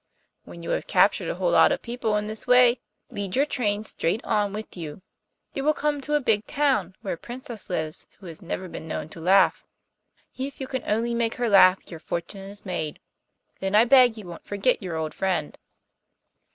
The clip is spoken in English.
When you have captured a whole lot of people in this way, lead your train straight on with you; you will come to a big town where a Princess lives who has never been known to laugh. If you can only make her laugh your fortune is made; then I beg you won't forget your old friend.